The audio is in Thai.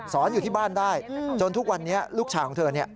อยู่ที่บ้านได้จนทุกวันนี้ลูกชายของเธอเนี่ย